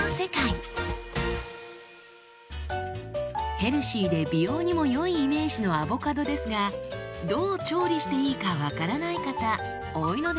ヘルシーで美容にも良いイメージのアボカドですがどう調理していいか分からない方多いのではないでしょうか？